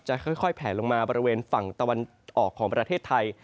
ค่อยแผลลงมาบริเวณฝั่งตะวันออกของประเทศไทย